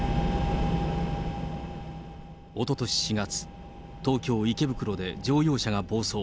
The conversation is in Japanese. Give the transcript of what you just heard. おととし４月、東京・池袋で乗用車が暴走。